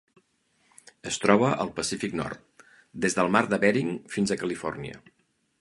Es troba al Pacífic nord: des del Mar de Bering fins a Califòrnia.